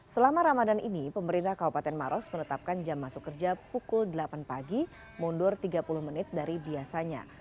selama ramadan ini pemerintah kabupaten maros menetapkan jam masuk kerja pukul delapan pagi mundur tiga puluh menit dari biasanya